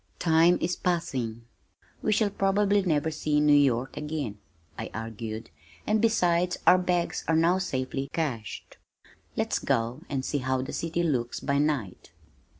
"Time is passing. We shall probably never see New York again," I argued, "and besides our bags are now safely cached. Let's go out and see how the city looks by night."